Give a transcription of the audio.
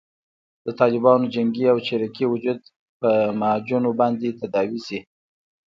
د طالبانو جنګي او چریکي وجود په معجونو باندې تداوي شي.